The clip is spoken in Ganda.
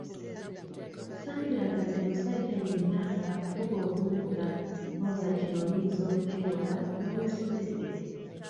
Ssandyagadde musajja yenna akufuge obumbula wabula kino oyinza okukyewala nga weesomedde.